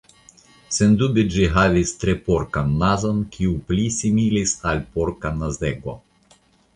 Sendube ĝi havis tre porkan nazon, kiu pli similis al porka nazego.